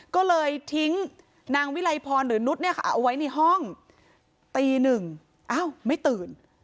ก็เลยทิ้งนางวิลัยพรหรือนุษย์เอาไว้ในห้องตีหนึ่งอ้าวไม่ตื่น